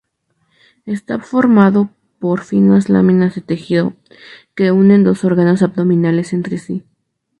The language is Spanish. Está formado por finas láminas de tejido que unen dos órganos abdominales entre sí.